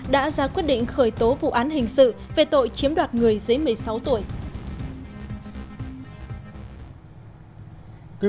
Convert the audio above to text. đã ra quyết định khởi tố vụ án hình sự về tội chiếm đoạt người dưới một mươi sáu tuổi